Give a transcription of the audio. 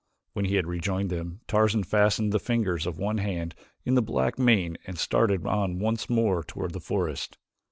When he had rejoined them Tarzan fastened the fingers of one hand in the black mane and started on once more toward the forest.